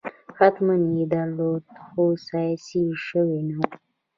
حتماً یې درلود خو سیاسي شوی نه و.